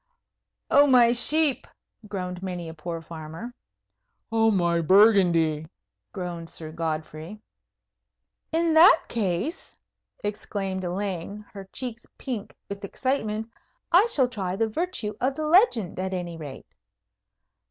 "Oh, my sheep!" groaned many a poor farmer. "Oh, my Burgundy!" groaned Sir Godfrey. "In that case," exclaimed Elaine, her cheeks pink with excitement, "I shall try the virtue of the legend, at any rate."